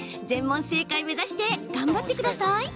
全問正解目指して頑張ってください！